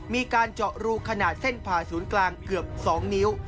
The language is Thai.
มีการเจาะรูขนาดเส้นผ่าศูนย์กลางเกือบ๒นิ้ว